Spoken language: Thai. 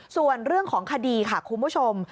ส่วนเรื่องของคดีค่ะคุณผู้ชม